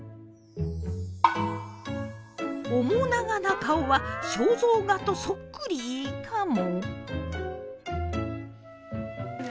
面長な顔は肖像画とそっくりかも？